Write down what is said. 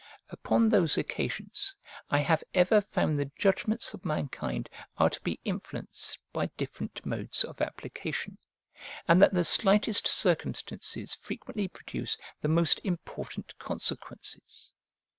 Upon those occasions, I have ever found the judgments of mankind are to be influenced by different modes of application, and that the slightest circumstances frequently produce the most important consequences.